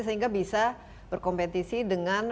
sehingga bisa berkompetisi dengan